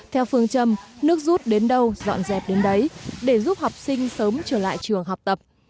theo phương châm nước rút đến đâu dọn dẹp đến đấy để giúp học sinh sớm trở lại trường học tập